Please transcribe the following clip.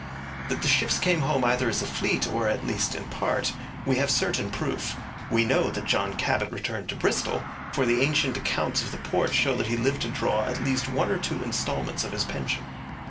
That the ships came home either as a fleet, or at least in part, we have certain proof. We know that John Cabot returned to Bristol, for the ancient accounts of the port show that he lived to draw at least one or two instalments of his pension.